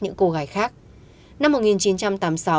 những cô gái khác năm một nghìn chín trăm tám mươi sáu